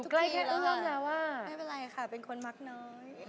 ไม่เป็นไรค่ะเป็นคนมักน้อย